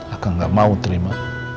akang nggak mau terima